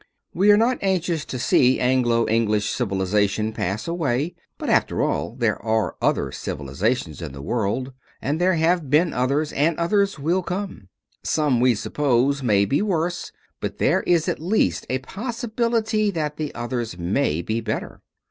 We are not anxious to see Anglo English civilization pass away, but after all there are other civilizations in the world, and there have been others, and others will come. Some, we suppose, may be worse, but there is at least a possibility that others may be better.